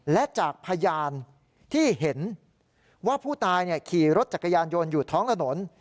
และจากพยานที่เห็นว่าผู้ตายขี่รถจักรยานยนต์อยู่ท้องถนน